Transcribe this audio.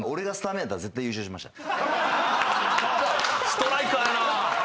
ストライカーやな。